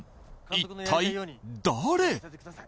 一体誰？